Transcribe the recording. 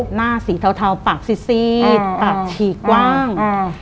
หน้าสีเทาปากซีดปากฉีกกว้าง